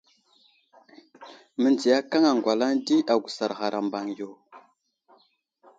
Məndziyakaŋ aŋgwalaŋ di agusar ghar a mbaŋ yo.